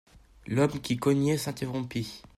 L'homme qui cognait s'interrompit.